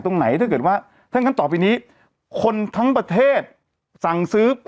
ตรงไหนถ้าเกิดว่าถ้างั้นต่อไปนี้คนทั้งประเทศสั่งซื้อ